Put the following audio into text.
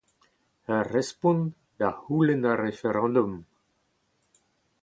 Ur respont da c'houlenn ar referandom.